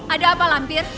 ada apa lampir